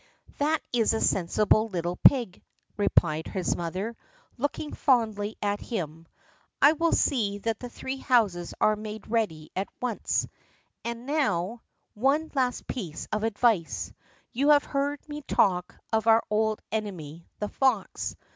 "That is a sensible little pig," replied his mother, looking fondly at him. "I will see that the three houses are made ready at once. And now one last piece of advice. You have heard me talk of our old enemy, the fox.